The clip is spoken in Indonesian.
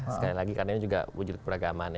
sekali lagi karena ini juga wujud keberagaman